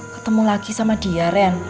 ketemu lagi sama dia ren